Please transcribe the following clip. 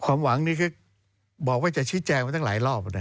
ความหวังนี้คือบอกว่าจะชี้แจงมาตั้งหลายรอบนะ